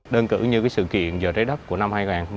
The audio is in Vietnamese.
đơn cử như sự kiện giờ trái đất của năm hai nghìn hai mươi bốn